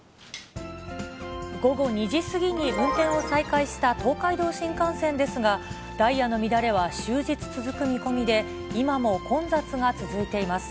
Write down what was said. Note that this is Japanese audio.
午後２時過ぎに運転を再開した東海道新幹線ですが、ダイヤの乱れは終日続く見込みで、今も混雑が続いています。